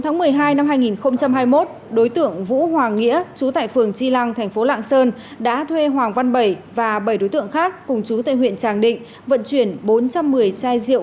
ngày bốn tháng một mươi hai năm hai nghìn hai mươi một đối tượng vũ hoàng nghĩa trú tại phường chi lăng thành phố lạng sơn đã thuê hoàng văn bảy và bảy đối tượng khác cùng trú tại huyện tràng định vận chuyển bốn trăm một mươi trang